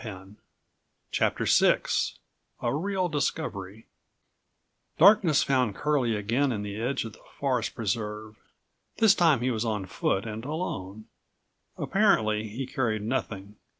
64 CHAPTER VIA REAL DISCOVERY Darkness found Curlie again on the edge of the Forest Preserve. This time he was on foot and alone. Apparently he carried nothing.